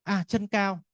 à chân cao